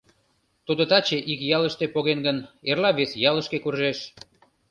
Тудо таче ик ялыште поген гын, эрла вес ялышке куржеш.